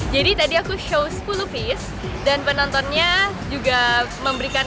jadi tadi aku show sepuluh piece dan penontonnya juga memberikan